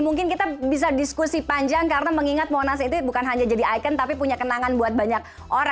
mungkin kita bisa diskusi panjang karena mengingat monas itu bukan hanya jadi ikon tapi punya kenangan buat banyak orang